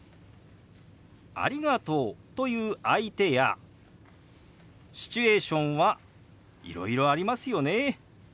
「ありがとう」と言う相手やシチュエーションはいろいろありますよね。